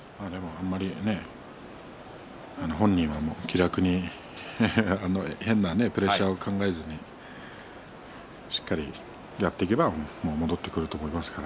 本人は気楽に変なプレッシャーを考えずにしっかりやっていけば戻ってくると思いますから。